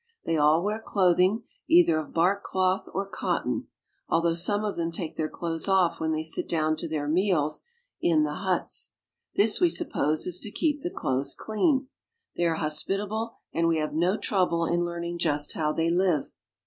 They all wear clothing, either of bark cloth or cotton ; although some of them take their clothes off when they sit down to their meals . the huts. This we I suppose is to keep the ■clothes clean. They are j hospitable, and we have ■ no trouble in learning i just how they live.